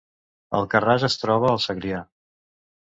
Alcarràs es troba al Segrià